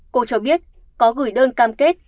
cô cho biết có gửi đơn cam kết